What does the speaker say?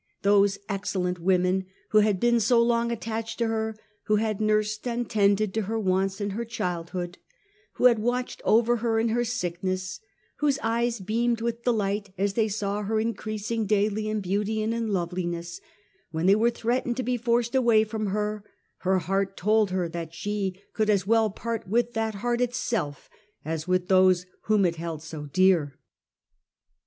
* Those excellent women who had been so long attached to her, who had nursed and tended to her wants in her childhood, who had watched over her in her sickness, whose eyes beamed with delight as they saw her increasing daily in beauty and in loveliness — when they were threatened to be forced away from her — her heart told her that she could as well part with that heart itself as with those whom it held so dear.